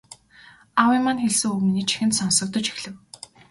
Аавын маань хэлсэн үг миний чихэнд сонсогдож эхлэв.